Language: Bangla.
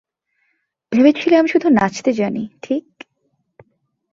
ভেবেছিলে আমি শুধু নাচতে জানি, ঠিক?